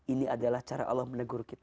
ini adalah cara allah menegur kita